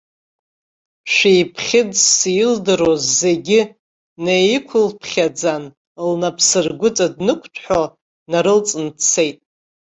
Шәиԥхьыӡс илдыруаз зегьы неиқәылԥхьаӡан, лнапсыргәыҵа дықәҭәҳәо, днарылҵны дцеит.